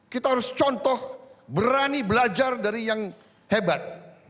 kita harus contoh berani belajar dari yang hebat